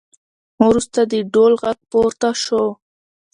وروسته د ډول غږ پورته شو